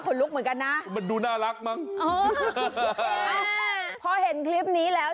ลุกเหมือนกันนะมันดูน่ารักมั้งอ๋อพอเห็นคลิปนี้แล้ว